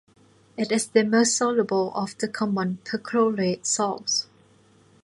It is the most soluble of the common perchlorate salts.